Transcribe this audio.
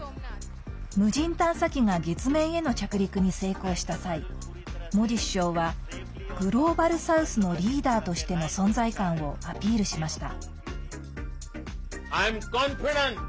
無人探査機が月面への着陸に成功した際モディ首相はグローバル・サウスのリーダーとしての存在感をアピールしました。